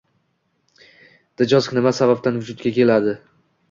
Djosg nima sababdan vujudga keladi?